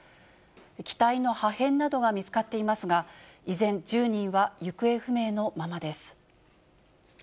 機体の破片などが見つかっていますが、依然、１０人は行方不明のままです。